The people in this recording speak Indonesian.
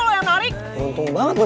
lo peluk gue